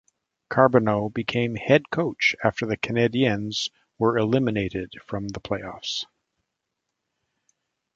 Carbonneau became head coach, after the Canadiens were eliminated from the playoffs.